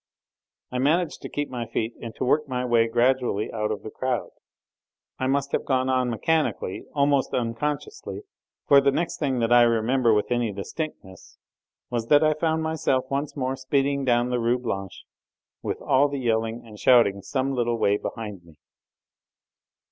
I managed to keep my feet and to work my way gradually out of the crowd. I must have gone on mechanically, almost unconsciously, for the next thing that I remember with any distinctness was that I found myself once more speeding down the Rue Blanche, with all the yelling and shouting some little way behind me.